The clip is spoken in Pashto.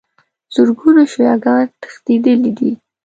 زرګونو شیعه ګان تښتېدلي دي.